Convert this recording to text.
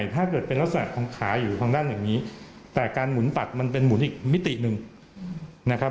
ถ้าเกิดเป็นลักษณะของขาอยู่ทางด้านอย่างนี้แต่การหมุนตัดมันเป็นหมุนอีกมิติหนึ่งนะครับ